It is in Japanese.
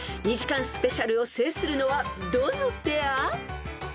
［２時間スペシャルを制するのはどのペア？］